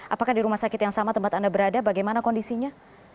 apakah di rumah sakit yang sama tempat anda berada bagaimana kondisinya